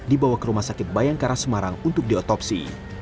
dibawa ke rumah sakit bayangkara semarang untuk diotopsi